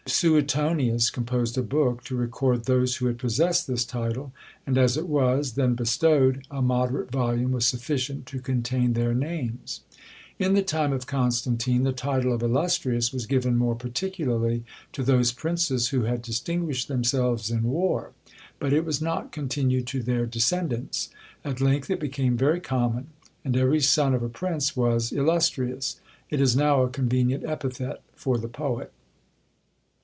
Suetonius composed a book to record those who had possessed this title; and, as it was then bestowed, a moderate volume was sufficient to contain their names. In the time of Constantine, the title of illustrious was given more particularly to those princes who had distinguished themselves in war; but it was not continued to their descendants. At length, it became very common; and every son of a prince was illustrious. It is now a convenient epithet for the poet.